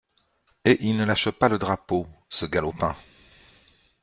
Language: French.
Et il ne lâche pas le drapeau, ce galopin!